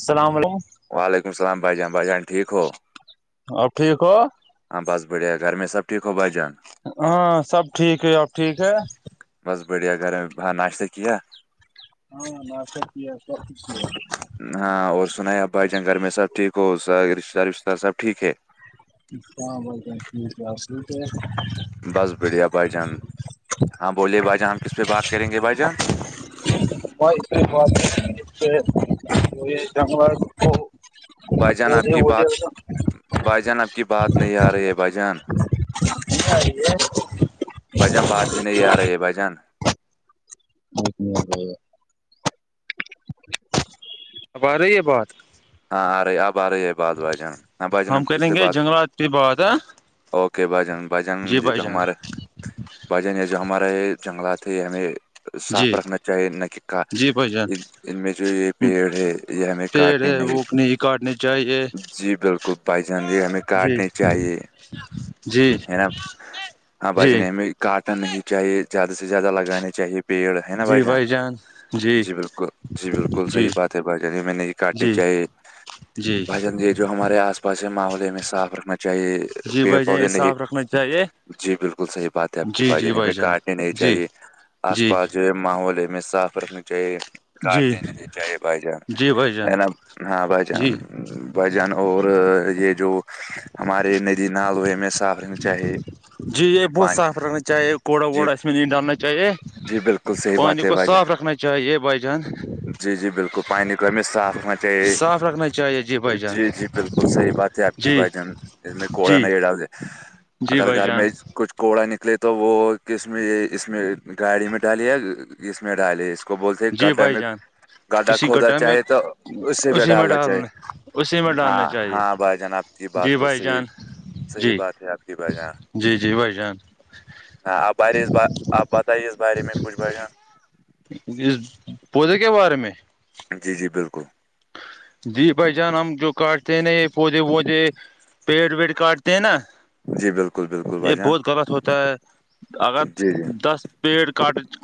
السلام علیکم وعلیکم السلام بھائی جان بھائی جان ٹھیک ہو آپ ٹھیک ہو ہاں بس بڑھیا گھر میں سب ٹھیک ہو بھائی جان ہاں سب ٹھیک ہے اب ٹھیک ہے بس بڑھیا گھر میں بر ناشتہ کیا ہاں نس پ سب چ ہاں اور سنا ہے اب بھائی جانگ گھر میں سبٹھیک ہو س کا رشتتے دار وشستتار سب ٹھیک ہے اچھ ب ٹھیک ہےس کیا بس بڑھیا بھائی جان ہاں بوولے بھائی جان ہم کس پہ بات کریں گے بھ جان وہ اسپری ہو اسپ جانور تو بھائی جان آپ وہے کی وہے بات ا بھائی جان اب کی بات نہیں آ رہی ہے بھائی جان یہیہارے بھجان بات ہی نہیں آ رہی ہے بھجان اب آ رہی ہے بات ہاں آ رہی ہے آپ آ رہی ہے بعد ب آ جان نہ ب جان ہم کس کریں پہ گے بات جنگلات پہ بات ہے اوکے بھجان بھجان جی ج بھائی جو جان ہمارے بھجن جو ہمارے جنگلاتے ہمیں صاف جی رکھنا چاہیے نہ کہ کا جی بھائی جان ان میں جو یہ پیڑ ہے یہ ہمیں کاٹ پیڑ ہے وہ نہیں کاٹنے چاہیے جی بالکل بھائی چان یہ ہمیں کاٹنے چاہیے اچھا ہے نا ہاں بھائی جن ہمیں کاٹن ہی چاہیے زیادہ سے زیادہ لگانے چاہیے پیڑ ہے نا جی بچان بھائی جان جی بالکل جی بالکل جی صحیح بات ہے بھائی جان میں نے یہ کاٹی جی چاہ جی جو ہمارے آس پاس ماحول ہمیں صاف رکھنا چاہیے جی بھائی پیٹ جان یہ پے نہیں صاف رکھنا چاہیے جی بالکل صحیح بات ہے آپ کی جی بھائی جی جانی جان کاٹنے نہیں جی چاہیے آس جی پاس جو ماحولے میں صاف رکھنی چاہیے جی کاٹ نہیں چاہ ب جا جی بھائی جان ن ہاں ب جا جی بھجن اور یہ جو ہمارے ندی نال ہوئے میں صاف رہنا چاہے جی یہ بہت صاف رکھنا چاہیے کوڑا جی ووڑا اس میں نہیں ڈالنا چاہیے جی بالکل صحیح پانی بات ہے کو بھائی صاف جان رکھنا چاہیے بھائی جان جی جی بالکل پانی گمی صاف چاہیے صاف رکھنا چاہیے بھائی جان جی جی بالکل صحیح بات ہے آپ کی جی بھائی جان اس میں کوڑا جی نہیں ڈال د جی اگر بھائی گھر جان میں کچھ کوڑا نکلے تو وہ کس میں اس میں گاڑی میں ڈالیا اس میں ڈالے اس کو بولتے جی گڈ بھائی میں جان گاڈا کسی کھودا گڈھا میں چاہے تو اس سے بی اسی میں ڈالنا چاہے اسی میں ڈالنا ہاں چاہیے ہاں بھائی جان آب کی بات جی تو بھائی سےف جان صحیح جی بات ہے آپ کی باں جی جی بھائی جان ہاں آار ب [unintelligible] آپ بتائیے اس بارے میں کچھ بجان پوز ہے کیا بار میں [unintelligible] جی جی بالکل جی بھائی جان ہم جو کاٹتے ہیں ن یہ پودے پودے پیڈ ویڈ کارڈ ت نا [unintelligible] جی بالکل بالکل یہ بھجان بہت غلط ہوتا ہے اگر جی جی دس پیڑٹٹ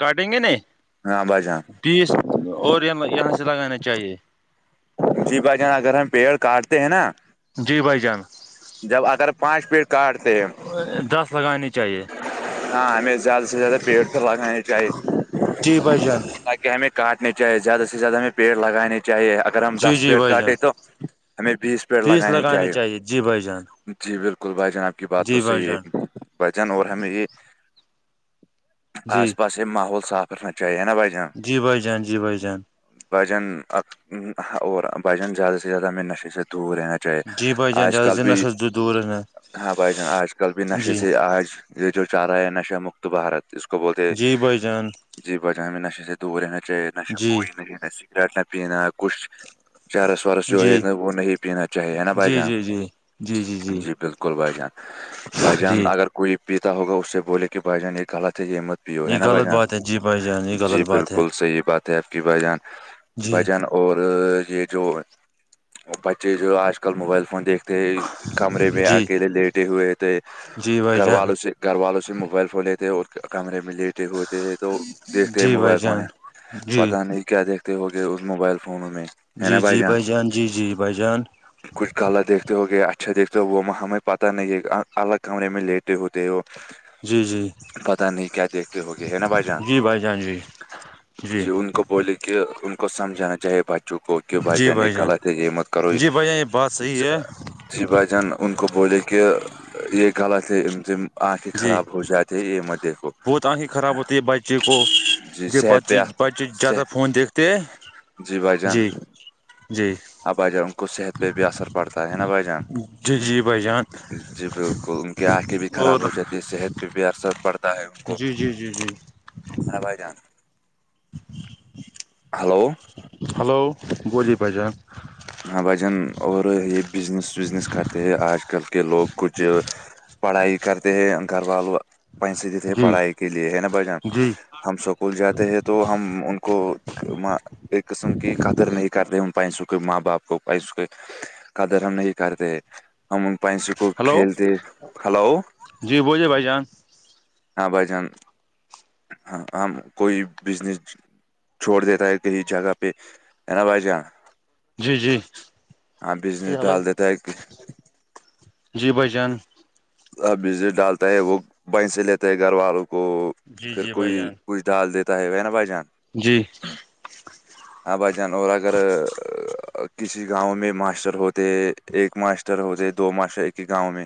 کاٹیں گے ن ہاں بھائی جان بیس اور یہ لگانا چاہیے تی بائی جان اگر ہم پیڑ کاٹتے ہیں نا [unintelligible] جی بھائی جان جب اگر پانچ پیٹ کاٹتے ہیں دس لگانی چاہیے ہاں ہمیں زیادہ سے زیادہ پیڑ پ لگانے چاہیے جی بھائی جان [unintelligible] تاکہ ہمیں کاٹنے چاہے زیادہ سے زیادہ ہمیں پیڑ لگانے چاہیے اگر ہم جی دس جی پیڑ بھائی جان کاٹے تو ہمیں بیس پیڑ لگانے چاہیے جی بالکل بھائی جان آپ کی بات تو جی بھائی صحیح ہے جان بھائی جان اور ہم یہ جی آس پاس ماحول صاف رکھنا چاہیے نا بھائی جان جی بھائی جان جی بھائی جان [unintelligible] بھجن اور بھجن زیادہ سے زیادہ ہم نشے سے دور رہنا چ [unintelligible] جی بھائی چ جان آج زیادہ کل سے بھی نشے سے دور رہنا ہاں بھائی جان آج کل بھی نشے سے جی آج یہ جو چاہ رہا ہے نشہ مکت بھارت اس کو بولتے جی بھائی جان جی بجان میں نشے سے دور رہنا چاہیے نشے جی کووئی نہ جینا سگریٹ نہ پینا [unintelligible] کچھ چرس وورس جو جی ہے وہ نہیں پینا چاہیے ہے نا بھائی جی جان جی جی جی جی بالکل بائیان بائیان [unintelligible] جی کوئی پیتا ہوگا اسے بولے کہ بھائی جان یہ غلط ہے یہ مت بھیو ہے یہ نا غلط بھجان بات ہے جی بھائی جان یہ جی غلط بات ہے بالکل صحیح بات ہے آپ کی بھ جان جی بھجان [unintelligible] اور یہ جو بچے جو آج کل موبائل فون دیکھ تھ کمرے پ آ جی کے لے لیٹے ہوئے تھے جی بھائی گھر جان والوں سے گھر والوں سے موبائل فون لیتے اور کمے میں لی [unintelligible] ے ہوتے ہیں تو دیکھتے ہیں جی بھائی موبائل فون جان جی پتا نہیں کیا دیکھتے ہوگئے اس موبائل فون میں جی جی بھائی جان جی جی بھائی جان کچھ غط دیکھتے ہو گیا اچھا دیکھتے ہو وہ ہمیں پتہ نہیں ہے الگ کمرے میں لیٹ ہوتے ہو جی جی [unintelligible] پتا نہیں کیا دیکھتے ہو گئے ہے نا بھائی جان جی بھائی جان جی جی ان کو بولے کہ ان کو سمجھانا چاہیے بچہ [unintelligible] چکو کہہ جی بچان یہ بھائی جان غلط ہے حمت کرو یہ جی بھائی جان بات صحیح ہے جی بھائی جان ان کو بولے کہ یہ غلط ہے انم جی بت آنکھیں خراب ہوتی ہے بائ چی کو جی [unintelligible] ج صحت بچے پہ بچے زیادہ صحت فون دیکھتے ہیں جی بھائی جان جی ہاں بھائی جان ان کو صحت پہ بھی اثر پڑتا ہے نا بھائی جان جی جی بھائی جان جی بالکل ان کی آنکھیں بھی خراب ہو اور جاتی ہے صحت پھر بھی ارسد پڑتا ہے ان کو جی جی جی جی ہر بھائی جان [unintelligible] ہلو ہلو گلیی بجار [unintelligible] ہاں بھجن اور یہ بزنس وزنس کرتے ہے آج کل کے لوگ کچھ [unintelligible] چ پڑھائی کرتے ہیں گھر وال وال پنس دیتے جی پڑھائی کے لیے ہے نا بھ جان جی ہم سکول جاتے ہیں تو ہم ان کو ایک قسم کی قدر نہیں کر رہے ہ پ سو کوئی ماں ب باپ کو بائی اس کے قدر ہم نہیں کرتے ہم پائسو کو ہلو کھیلتے کھلا ہو جی بولیے بھائی جان ہاں بھائی جان ہاں ہمم کوئی بزنس چھوڑ دیتا ہے کہیں جگہ پہ ہے نا بھائی جاناں جی جیل بزنس ڈال دیتا ہے جی بھائی جان ا وزٹ ڈالتا ہے وہ بن سے لیتا ہے گھر والوں کو جی پھر جی کوئی بھائی جان کچھ ڈال دیتا ہے نا بھائی جان جی ہاں بھائی جان اور اگر کسی گاؤں میں ماسٹر ہوتے ایک ماسٹر ہوتے دو ماسٹر ایک ہی گاؤں میں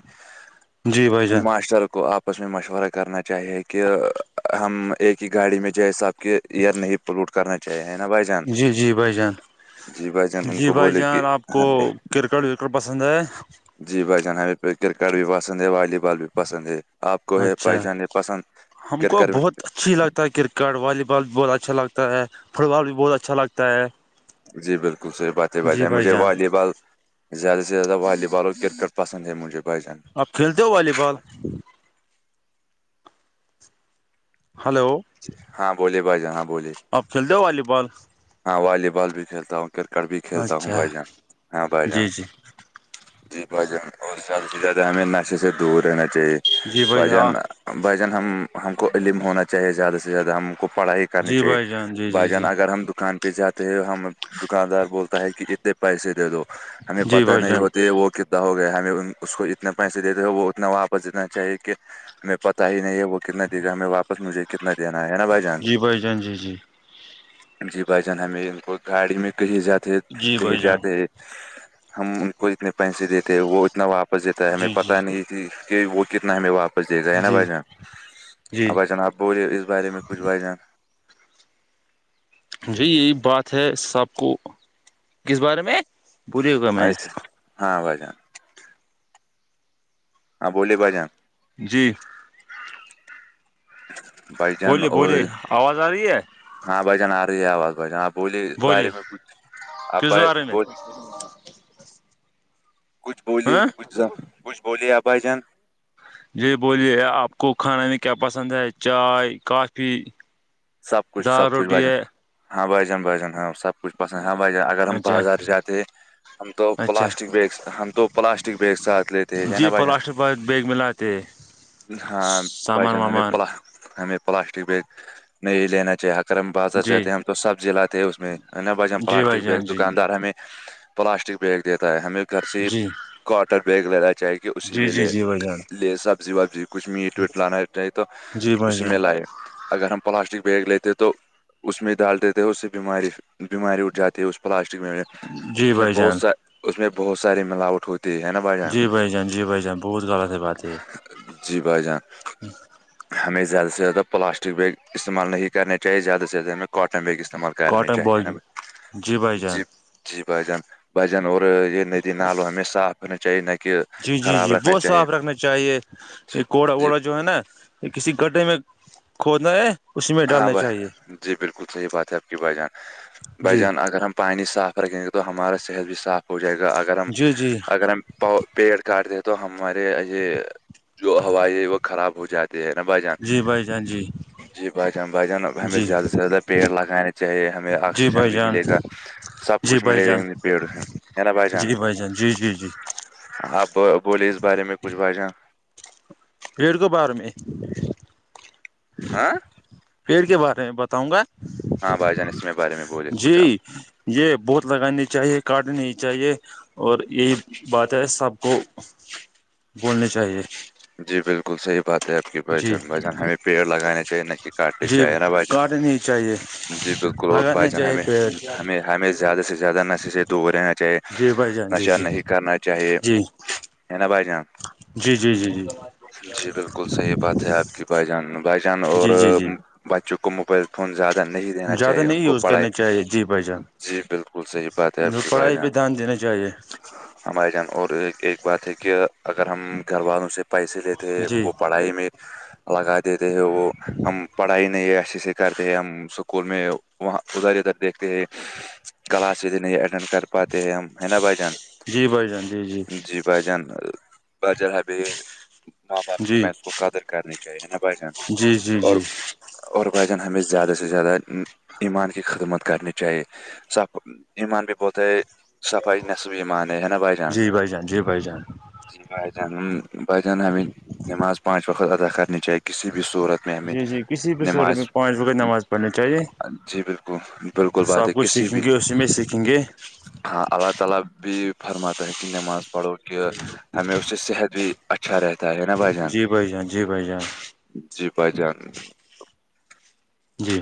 جی بھائی جان مسٹر کوپ آس میں مشورہ کرنا چاہیے کہ ہم ایک ہی گاڑی میں جیسا آپ کے ایئر نہیں سلوٹ کرنا چاہیے ہے نا بھائی جان جی جی بھائی جان جی بھائی جان ان جی کو بھائی بولے کہ جان آپ کو ہ کرکٹ وکٹ پسند ہے جی بھ جان ہمیں پہ کرکٹ بھی پسند ہے والی بال بھی پسند ہے آپ کو یہ اچھا پائی جان یہ پسند ہم کو کرکٹک بہت اچھی لگتا ہے کرکٹ والی بال بھی بہت اچھا لگتا ہے فٹ بال بھی بہت اچھا لگتا ہے جی بالکل صحیح باتیں ب جی جائیں بھائی مجھے جان والی بال زیادہ سے زیادہ والی بال اور کرکٹ پسند ہے مجھے بچ جان اپ کھیلتے ہو والی بال ہلو ہاں بولیے بھائی جان ہاں بولیے آپ کھیل دو ہو والی بال ہاں والی بال بھی کھیلتا ہوں کرکٹ بھی کھیلتا ہوں اچھا بھائی جان ہاں بھائی جان جی جی جی بھ جان اور زیادہ سے زیادہ ہمیں نشے سے دور رہنا چاہیے بھائی جان بھ جان ہم کو علم ہونا چاہیے زیادہ سے زیادہ ہم کو پڑھائی کرنی جی چاہیے بھائی جان جی بھائی جی جان جی اگر ہم دکان پہ جاتے ہیں ہم دکاندار بولتا ہے کہ کتنے پیسے دے دو ہمیں جی پت بھائی نہیں جان ہوتے وہ کتنے ہو گیا ہمیں اس کو اتنے پیسے دیتے ہو وہ اتنا واپس دینا چاہیے کہ ہمیں پتا ہی نہیں ہے وہ کتنا د گا ہمیں واپس مجھے کتنا دینا ہے نا بھائی جان شی بائی جنجی جی جی بھائی جان ہمیں ان کو گاڑی میں کہیں جاتے ہے جی کہیں بھائی جان جاتے ہم ان کو اتنے پیسے دیتے وہ اتنا واپس دیتا ہے ہمیں جی پتہ جی نہیں کہ وہ کتنا ہمیں واپس دے گیا ہے نا جی بھائی جی جان بھائی جان آپ بولے اس بارے میں کچھ بجان جی یہی بات ہے سب کو کس بارے میں بولیے گا میں اس ہاں بھ جان ہاں بولیے بائی جان جی بھائی جان بولیے اور بولیے آواز آ رہی ہے ہاں بھائی جان آ رہی آواز بھ جان آپ بولیے بارے میں کچھ آپ ب کس بارے میں بول کچھ بولیے ہاں کچھ کچھ بولی آپ بھائی جان جی بولیے آپ کو کھانے میں کیا پسند ہے چائے کافی سب کچھ سب دال کچھ روٹی بجن ہے ہاں بجان بجن ہاں سب کچھ پسند ہاں بھائی اگر ہم اچھا بازار جاتے ہم تو اچھا پلاسٹک بیگ ہم تو پلاسٹک بیگ سے ہاتھ لیتے ہیں جی نا بھائی جان پلاسٹک بیگ ملا ہاں بھائی جان ہمیں وامان پلا ہمیں پلاسٹک بیگ نہیں لینا چاہیے اگر ہم بازار سے جی جاتے ہیں ہم تو سبزی لاتے ہیں اس میں ہے نا بھائی جان ہم جی بھائی پلاسٹک جان جی دکاندار ہمیں پلاسٹک بیگ دیتا ہے ہمیں گھر سے ہی جی کاٹن بیگ لینا چاہیے اسی جی بھی جی لے جی بھائی جان لے سب جی جی کچھ میٹ ویٹ لانا چاہیے تو جی بھائی اسی میں جان لائیں اگر ہم پلاسٹک بیگ لیتے تو اس میں ڈال دیتے اس سے بیماری بیماری اٹھ جاتی اس پلاسٹک میں جی اس میں بھائی بہت جان ساری اس میں بہت سارے ملاوٹ ہوتے ہے ہے بھائی جان جی بھائی جان جی بھائی جان بہت غلط ہے بات ہے جی بھائی جان ہمیں زیادہ سے زیادہ پلاسٹک بیگ استعمال نہیں کرنے چاہیے زیادہ سے زیاہ میں کاٹن بیگ استعمال کرنے کاٹن چاہیے ہیں بال نا بھائی جی جی بھائی جان بھائی جان اور یہ ندی نالوں ہمیں صاف ہونا چاہیے نہ کہ جی جی خراب جی رکھنا بہت چاہیے صاف رکھنا چاہیے جی یہ کوڑا جی ووڑا جو ہے نا کسی گڈے میں کھودنا ہے اسی میں ہاں ڈالنا بہ چاہیے جی بالکل صحیح بات ہے آپ کی بھائی جان بھائی جی جان اگر ہم پانی صاف رکھیں گے تو ہمارا صحت بھی صاف ہو جائے گا اگر ہم جی جی اگر ہم پیڑ کاٹتے ہیں تو ہمارے یہ جو ہوا وہ خراب ہو جاتی ہے نا بھائی جان جی بھائی جان جی جی بھائی جان بھائی جان ہمیں جی زیادہ سے زیادہ پیڑ لگانے چاہیے ہمیں جی آکسیجن بھائی بھی جان ملے گا سب جی کچھ بھائی ملے گا جان انہی پیڑوں سے ہے نا بھائی جان جی جی جی جی آپ بولے اس بارے میں کچھ بھائی جاں بھییڑ کو بار میں [unintelligible] ہاں پیڑ کے بارے میں بتاؤں گا ہاں بائی جان اسس میں بارے میں بولے کچھ آپ جی یہ بہت لگانی چاہیے کاٹنی نہیں چاہیے اور یہی بات ہے سب کو بولنی چاہیے جی بالکل صحیح بات بات ہے آپ کی جی بھائی جان ہمیں پیڑ لگانے چاہیے نہ کہ کاٹتے چاہیے نا بھائی جان جے [unintelligible] جی بالکل اور بھائی جان ہمیں ہمیں ہمیں زیادہ سے زیادہ نشے سے دور رہنا چاہیے جی بھائی جان جی نشہ جی نہیں کرنا چاہیے جی ہے نا بھائی جان جی جی جی جی جی بالکل صحیح بات ہے آپ کی بائی جان بھائی جان اور جی جی جی بچوں کو موبائل زیادہ نہیں دینا زیادہ چاہیے ان نہیں کو یوز پڑھائے کرنے چاہیے جی بھائی جان جی بالکل صحیح بات ہے آپ پڑھائی جان پہ دھیان دینا چاہیے ہاں بھائی جان اور ایک بات ہے کہ اگر ہم گھر والوں سے پیسے لیتے جی وہ پڑھائی میں لگا دیتے ہیں وہ ہم پڑھائی نہیں اچھے سے کرتے ہیں ہم اسکول میں وہاں ادھر ادھر دیکھتے ہیں کلاس نہیں اٹینڈ کر پاتے ہیں ہم ہے نا بھائی جان جی بھائی جان جی جی بجان بجا ہے بھی [unintelligible] ماں باپ کی جی بس کو قدر کرنی چاہیے نا بھائی جان جی جی اور جی اور بھائی جان ہمیں زیادہ سے زیادہ ایمان کی خدمت کرنی چاہیے صف ایمان بھی بہت ہے صفائی نصف ایمان ہے نا بھائی جان جی بھائی جان جی بھائی جان جی ب جان ب جان ہمیں نماز پانچ وقت ادا کرنی چاہے کسی بھی صورت میں ہمیں جی جی کسی بھی شورت نماز میں پانچ وقت نماز پڑھنی چاہیے جی بالکل بالکل بات ہے سب کچھ کسی سیکھیں بھی گے اسی میں سیکھیں گے ہاں اللہ تعالی بھی فرماتا ہے کہن نماز پڑو کہ ہممیش سے صحت بھی اچھا رہتا ہے نا بھائی جان جی بھائی جان جی بھائی جان جی بھائی جان جی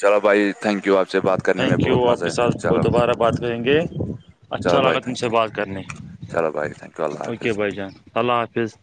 چلو بھائی تھینک یو آپ سے بات کرنے میں تھینک یو بہت آپ مزہ کے ساتھ ہے وہ چلو دوبارہ بات کریں گے اچھا چلو بھائی لگا تم تھینک سے یو بات کرنے چلو بھائی تھینک یو اللہ حافظ اوکے بھائی جان اللہ حافظ